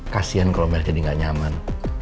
kasian kalo mereka jadi ga nyaman